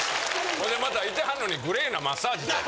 ほんでまたいてはるのにグレーなマッサージて。